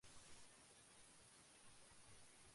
শুনে বড়ো দুঃখে মধুসূদনের হাসি পেল।